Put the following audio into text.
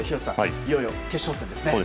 いよいよ決勝戦ですね。